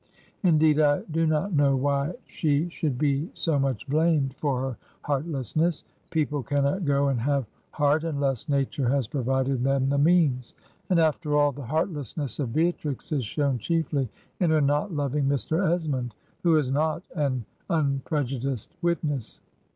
Indeed, I do not know why she should be so much blamed for her heartlessness; people cannot go and have heart unless nature has provided them the means ; and, after all, the heartlessness of Beatrix is shown chiefly in her not loving Mr. Esmond, who is not an unprejudiced witness.